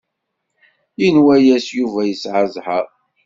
Yenwa-yas Yuba yesɛa zzheṛ.